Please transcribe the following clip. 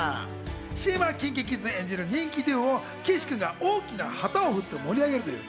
ＣＭはＫｉｎＫｉＫｉｄｓ演じる人気デュオを岸君が大きな旗を振って盛り上げるというもの。